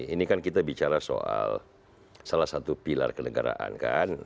ini kan kita bicara soal salah satu pilar kenegaraan kan